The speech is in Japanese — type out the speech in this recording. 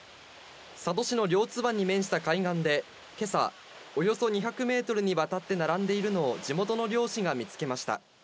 佐渡市の両津湾に面した海岸でけさ、およそ２００メートルにわたって並んでいるのを、地元の漁師が見つけました。